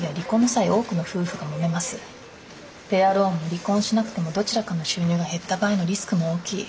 ペアローンも離婚しなくてもどちらかの収入が減った場合のリスクも大きい。